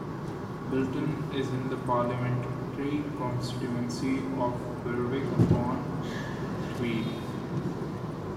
Bilton is in the parliamentary constituency of Berwick-upon-Tweed.